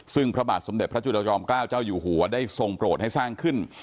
ซึ่งพระบาทสมเด็จพระจุลจอมเกล้าเจ้าอยู่หัวได้ทรงโปรดให้สร้างขึ้น